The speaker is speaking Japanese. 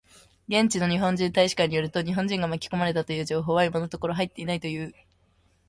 現地の日本大使館によると、日本人が巻き込まれたという情報は今のところ入っていないという。